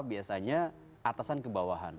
biasanya atasan ke bawahan